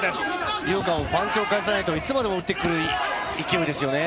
井岡もパンチを返さないといつまでも打ってくる感じですよね。